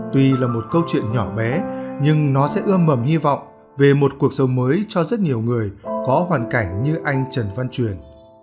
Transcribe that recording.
tuy là một câu chuyện nhỏ bé nhưng nó sẽ ưa mầm hy vọng về một cuộc sống mới cho rất nhiều người có hoàn cảnh như anh trần văn truyền